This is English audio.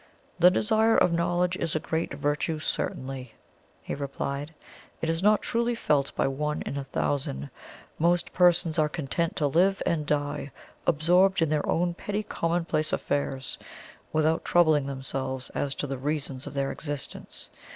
"The desire of knowledge is a great virtue, certainly," he replied; "it is not truly felt by one in a thousand. Most persons are content to live and die, absorbed in their own petty commonplace affairs, without troubling themselves as to the reasons of their existence.